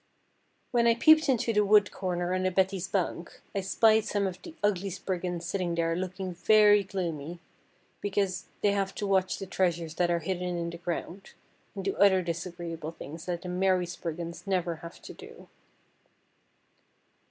When I peeped into the wood corner under Betty's bunk, I spied some of the ugly Spriggans sitting there looking very gloomy because they have to watch the treasures that are hidden in the ground, and do other disagreeable things that the merry Spriggans never have to do.